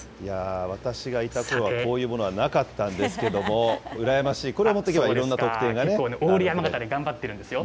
私がいたころはこういうものはなかったんですけれども、羨ましい、これを持ってけばいろんな特典が受けられるんですね。